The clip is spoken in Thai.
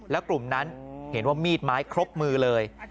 แล้วกลุ่มนั้นเห็นว่ามีดไม้ครบมือเลย